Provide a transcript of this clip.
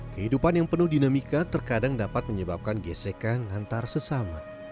kehidupan yang penuh dinamika terkadang dapat menyebabkan gesekan antar sesama